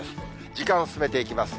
時間進めていきます。